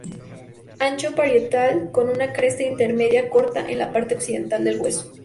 Ancho parietal, con una cresta intermedia corta en la parte occipital del hueso.